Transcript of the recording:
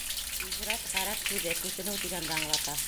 Һижрәт — ғәрәп һүҙе, күсенеү тигәнде аңлата.